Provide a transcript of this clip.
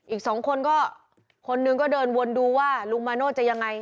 อีกสองคนก็คนหนึ่งก็เดินวนดูว่าลุงมาโนธจะยังไง